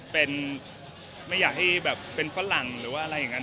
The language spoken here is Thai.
เป็นไม่อยากให้แบบเป็นฝรั่งหรือว่าอะไรอย่างนั้น